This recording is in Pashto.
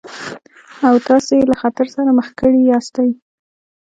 او تاسې يې له خطر سره مخ کړي ياستئ.